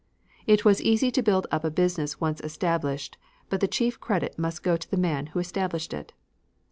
It was easy to build up a business once established but the chief credit must go to the man who established it.